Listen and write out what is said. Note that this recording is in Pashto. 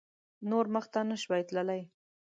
نور مخته نه شوای تللای.